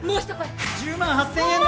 １０万８，０００円で！